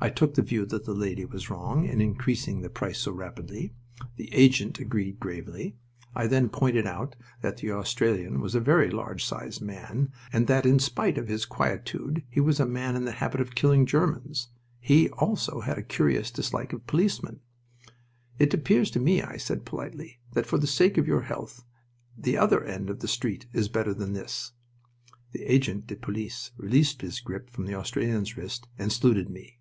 I took the view that the lady was wrong in increasing the price so rapidly. The agent agreed gravely. I then pointed out that the Australian was a very large sized man, and that in spite of his quietude he was a man in the habit of killing Germans. He also had a curious dislike of policemen. "It appears to me," I said, politely, "that for the sake of your health the other end of the street is better than this." The agent de police released his grip from the Australian's wrist and saluted me.